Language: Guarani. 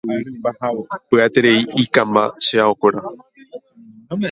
Pya'eterei ikãmba che aokuéra.